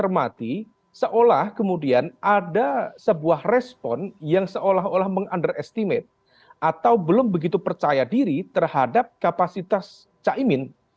karena tidak seolah kemudian ada sebuah respon yang seolah olah meng underestimate atau belum begitu percaya diri terhadap kapasitas caingin